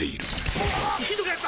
うわひどくなった！